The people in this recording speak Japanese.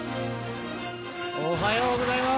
おはようございまーす。